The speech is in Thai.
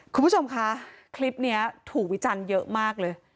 คุณผู้ชมคะคลิปนี้ถูกวิจารณ์เยอะมากเลย